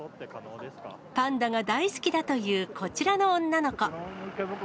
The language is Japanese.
パンダが大好きだというこちらの女の子。